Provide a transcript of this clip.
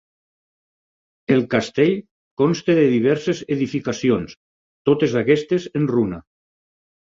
El castell consta de diverses edificacions, totes aquestes en runa.